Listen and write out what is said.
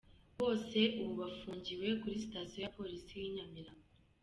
Bose ubu bafungiwe kuri sitasiyo ya Polisi ya Nyamirambo.